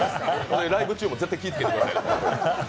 ライブ中も気をつけてくださいよ。